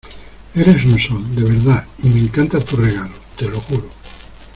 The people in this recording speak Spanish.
eres un sol, de verdad , y me encanta tu regalo , te lo juro